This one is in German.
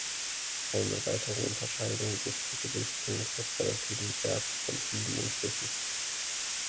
Eine weitere Unterscheidung ist die Gewichtung des relativen Werts von Hieben und Stichen.